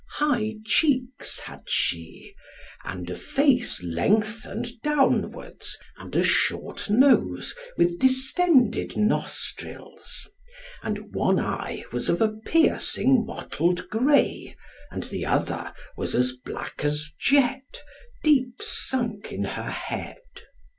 High cheeks had she, and a face lengthened downwards, and a short nose with distended nostrils. And one eye was of a piercing mottled grey, and the other was as black as jet, deep sunk in her head.